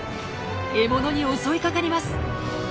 獲物に襲いかかります。